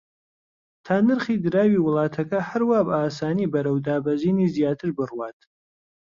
تا نرخی دراوی وڵاتەکە هەروا بە ئاسانی بەرەو دابەزینی زیاتر بڕوات